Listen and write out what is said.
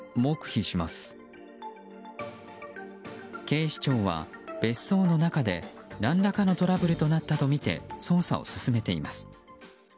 警視庁は別荘の中で何らかのトラブルとなったとみて捜査を進めています。